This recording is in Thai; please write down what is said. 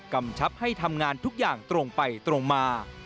กำชับให้ทำงานทุกอย่างตรงไปตรงมา